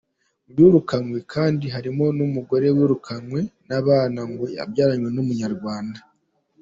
Mu birukanwe kandi harimo umugore wirukananwe n’abana ngo yabyaranye n’Umunyarwanda.